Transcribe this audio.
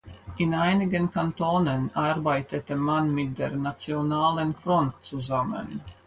In einigen Kantonen arbeitete man mit der Nationalen Front zusammen.